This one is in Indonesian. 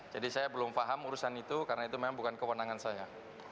jadi saya belum faham urusan itu karena itu memang bukan kewenangan saya